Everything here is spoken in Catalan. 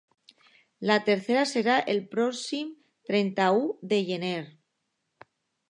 La tercera serà el pròxim trenta-u de gener.